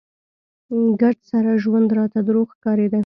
ګرد سره ژوند راته دروغ ښکارېده.